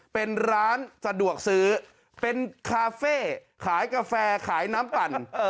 เป็นร้านสะดวกซื้อเป็นคาเฟ่ขายกาแฟขายน้ำปั่น